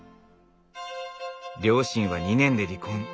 両親は２年で離婚。